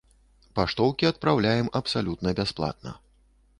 Паштоўкі адпраўляем абсалютна бясплатна.